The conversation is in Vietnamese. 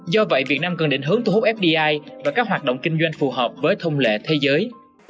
do vậy việt nam cần định hướng thu hút fdi và các hoạt động kinh doanh phù hợp với thông lệ thế giới